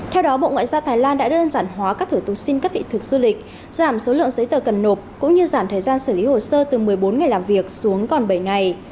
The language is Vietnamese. theo đó bộ ngoại giao thái lan đã đơn giản hóa các thử tục xin cấp vị thực du lịch giảm số lượng giấy tờ cần nộp cũng như giảm thời gian xử lý hồ sơ từ một mươi bốn ngày làm việc xuống còn bảy ngày